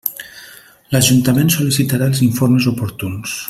L'ajuntament sol·licitarà els informes oportuns.